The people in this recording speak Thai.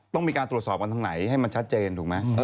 ต้องมีการตรวจสอบกันทางไหนให้มันชัดเจนถูกไหม